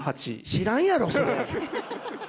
知らんやろ、それ。